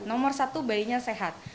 nomor satu bayinya sehat